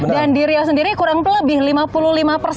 dan di riau sendiri kurang lebih lima puluh lima nya itu